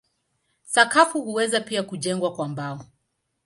Sakafu huweza pia kujengwa kwa mbao.